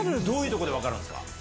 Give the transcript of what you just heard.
どういうとこで分かるんです